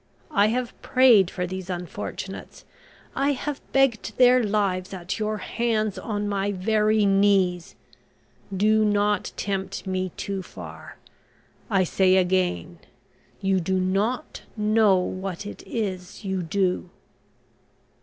I have prayed for these unfortunates, I have begged their lives at your hands on my very knees. Do not tempt me too far. I say again you do not know what it is you do."